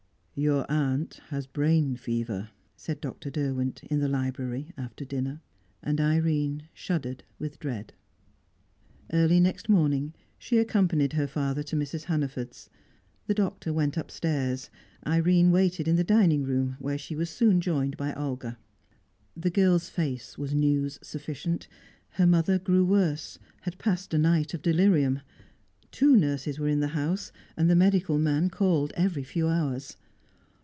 "Your aunt has brain fever," said Dr. Derwent, in the library after dinner. And Irene shuddered with dread. Early next morning she accompanied her father to Mrs. Hannaford's. The Doctor went upstairs; Irene waited in the dining room, where she was soon joined by Olga. The girl's face was news sufficient; her mother grew worse had passed a night of delirium. Two nurses were in the house, and the medical man called every few hours.